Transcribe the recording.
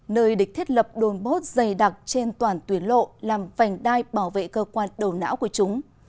nơi địch thiết lập đồn bốt dày đặc trên toàn tuyển lộ làm vành đai bảo vệ cơ quan đầu não của chúng